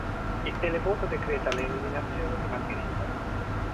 Il televoto decreta l'eliminazione di Margherita.